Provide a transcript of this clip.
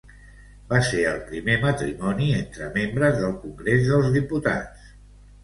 Va ser el primer matrimoni entre membres del Congrés dels Diputats.